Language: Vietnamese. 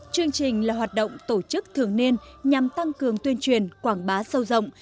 chương trình là hoạt động tổ chức thường niên nhằm tăng cường tuyên truyền quảng bá sâu rộng